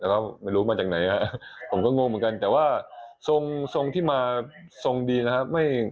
แต่ก็ไม่รู้มาจากไหนครับผมก็งงเหมือนกันแต่ว่าทรงทรงที่มาทรงดีนะครับ